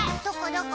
どこ？